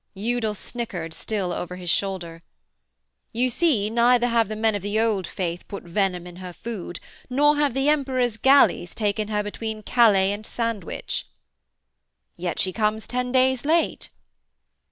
Udal snickered, still over his shoulder: 'You see, neither have the men of the Old Faith put venom in her food, nor have the Emperor's galleys taken her between Calais and Sandwich.' 'Yet she comes ten days late.'